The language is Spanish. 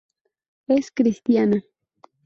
Es cristiana.